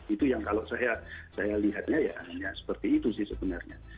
itu yang kalau saya lihatnya ya hanya seperti itu sih sebenarnya